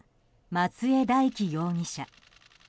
松江大樹容疑者。